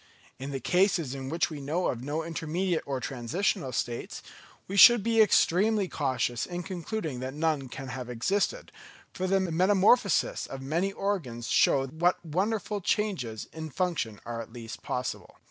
In the cases in which we know of no intermediate or transitional states, we should be extremely cautious in concluding that none can have existed, for the metamorphoses of many organs show what wonderful changes in function are at least possible.